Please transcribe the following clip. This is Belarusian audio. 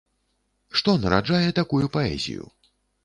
Што нараджае такую паэзію?